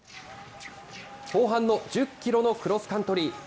後半の１０キロのクロスカントリー。